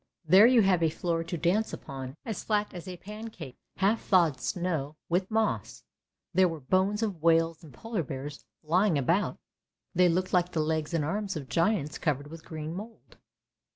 there you have a floor to dance upon, as flat as a pancake, half thawed snow, with moss; there were bones of whales and Polar bears lying about, they looked like the legs and arms of giants covered with green mould.